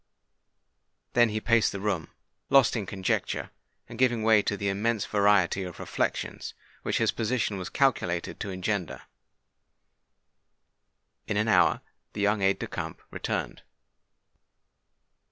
Then he paced the room—lost in conjecture, and giving way to the immense variety of reflections which his position was calculated to engender. In an hour the young aide de camp returned.